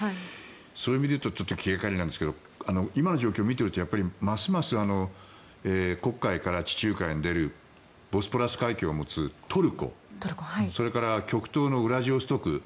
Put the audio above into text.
そういう意味で言うと気掛かりなんですが今の状況を見ているとますます黒海から地中海に出るボスポラス海峡を持つトルコそれから極東のウラジオストク。